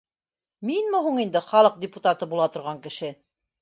Минме һуң инде халыҡ депутаты була торған кеше